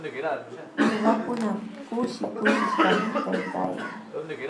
Ñuqakunaqa kushishqami kaykaayaa.